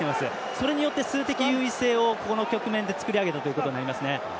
それによって数的優位性をここの局面で作り上げたということになりますね。